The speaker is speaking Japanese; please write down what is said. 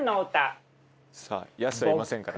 さぁ安はいませんから。